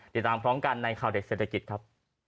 ติดตามพร้อมกันในข่าวเด็กเศรษฐกิจครับ